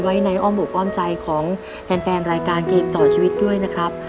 ไว้ในอ้อมอกอ้อมใจของแฟนรายการเกมต่อชีวิตด้วยนะครับ